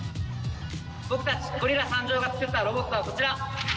僕たちゴリラが作ったロボットはこちら！